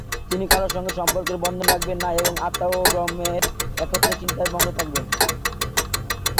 তিনি কারোর সঙ্গে সম্পর্কের বন্ধন রাখবেন না এবং আত্মা ও ব্রহ্মের একত্ব চিন্তায় মগ্ন থাকবেন।